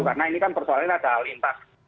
karena ini kan persoalannya ada lintas